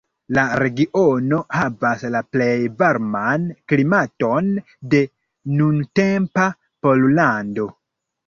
La regiono havas la plej varman klimaton de nuntempa Pollando.